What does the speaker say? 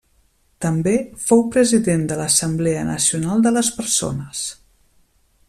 També fou President de l'Assemblea Nacional de les Persones.